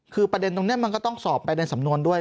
คือประเด็นตรงนี้มันก็ต้องสอบไปในสำนวนด้วย